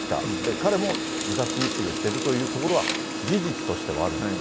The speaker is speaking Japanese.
彼も自殺未遂をしているというところは事実としてはあるんですよ